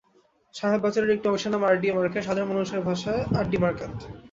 সাহেব বাজারের একটি অংশের নাম আরডিএ মার্কেট, সাধারণ মানুষজনের ভাষায় আড্ডি মার্কেট।